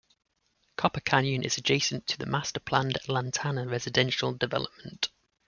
Copper Canyon is adjacent to the master-planned Lantana residential development.